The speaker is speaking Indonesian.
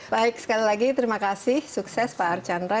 baik sekali lagi terima kasih sukses pak archandra